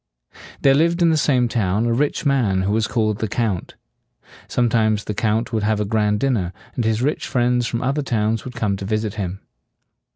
There lived in the same town a rich man who was called the Count. Sometimes the Count would have a grand dinner, and his rich friends from other towns would come to visit him.